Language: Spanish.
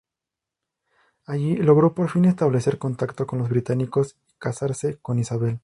Allí logró por fin establecer contacto con los británicos y casarse con Isabel.